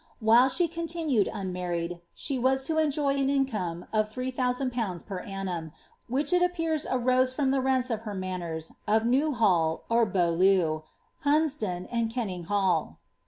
While she continued unmarried, she was to enjoy an income of 3.1HMII. per annum, which it appears arose from the rents of her manors of Ne«" hall, or Bi'aulleu, Hunsdon, and Kenninghall.